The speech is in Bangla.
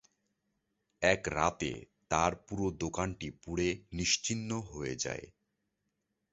এক রাতে তাঁর পুরো দোকানটি পুড়ে নিশ্চিহ্ন হয়ে যায়।